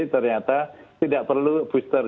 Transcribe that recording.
ternyata tidak perlu booster